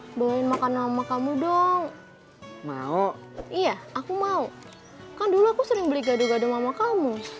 hai beliin makan sama kamu dong mau iya aku mau kan dulu aku sering beli gado gado mama kamu